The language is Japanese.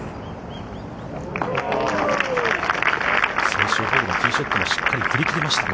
最終ホールのティーショットもしっかり振り切りました。